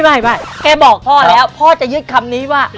ไม่แค่บอกพ่อแล้วพ่อจะยึดคำนี้ว่า